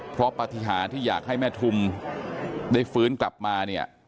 เพราะปฏิหารที่อยากให้แม่ทุมได้ฟื้นกลับมาเนี่ย